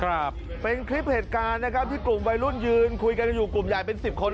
ครับเป็นคลิปเหตุการณ์นะครับที่กลุ่มวัยรุ่นยืนคุยกันอยู่กลุ่มใหญ่เป็นสิบคน